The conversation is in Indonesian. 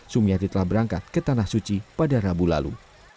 sumiati telah berangkat ke tanah suci pada rabu lalu